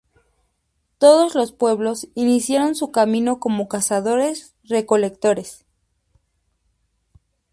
Todos los pueblos iniciaron su camino como cazadores-recolectores.